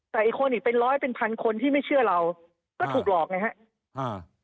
แต่อีกคนอีกเป็นร้อยเป็นพันคนที่ไม่เชื่อเราก็ถูกหลอกไงฮะ